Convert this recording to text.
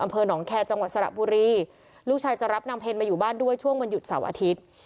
อำเภอหนองแคร์จังหวัดสระบุรีลูกชายจะรับนางเพลมาอยู่บ้านด้วยช่วงวันหยุดเสาร์อาทิตย์